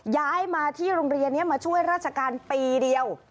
ย้ายมาที่โรงเรียนนี้มาช่วยราชการปีเดียว